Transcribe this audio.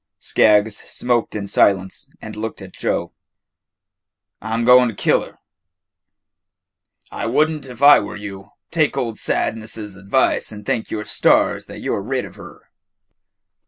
Skaggs smoked in silence and looked at Joe. "I 'm goin' to kill her." "I would n't if I were you. Take old Sadness's advice and thank your stars that you 're rid of her."